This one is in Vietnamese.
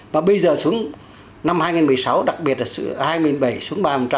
và bây giờ xuống năm hai nghìn một mươi sáu đặc biệt là hai mươi bảy xuống ba